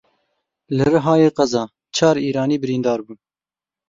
Li Rihayê qeza çar Îranî birîndar bûn.